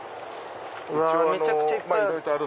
めちゃくちゃいっぱいある。